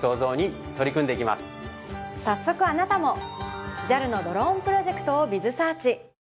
早速あなたもＪＡＬのドローンプロジェクトをｂｉｚｓｅａｒｃｈ。